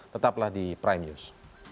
tetaplah di prime news